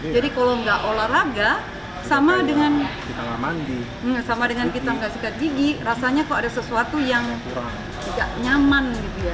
jadi kalau tidak olahraga sama dengan kita tidak sikat gigi rasanya kok ada sesuatu yang tidak nyaman